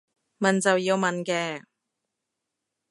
問就要問嘅